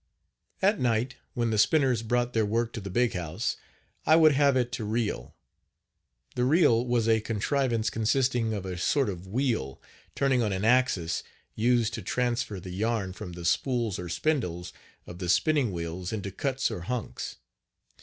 At night when the spinners brought their work to the big house I would have it to reel. The reel was a contrivance consisting of a sort of wheel, turned on an axis, used to transfer the yarn Page 40 from the spools or spindles of the spinning wheels into cuts or hunks.